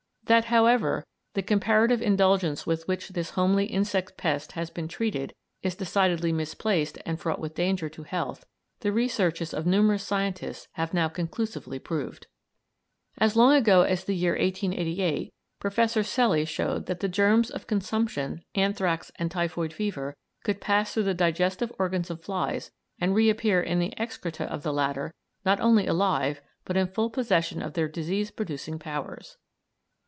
That however, the comparative indulgence with which this homely insect pest has been treated is decidedly misplaced and fraught with danger to health, the researches of numerous scientists have now conclusively proved. As long ago as the year 1888 Professor Celli showed that the germs of consumption, anthrax, and typhoid fever could pass through the digestive organs of flies and reappear in the excreta of the latter not only alive but in full possession of their disease producing powers.